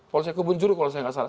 polsek kebunjur kalau saya nggak salah